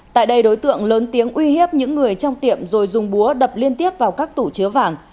tại đây đối tượng lớn tiếng uy hiếp những người trong tiệm rồi dùng búa đập liên tiếp vào các tủ chứa vàng